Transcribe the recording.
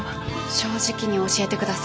正直に教えて下さい。